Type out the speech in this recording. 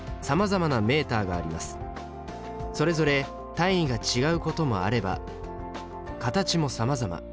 それぞれ単位が違うこともあれば形もさまざま。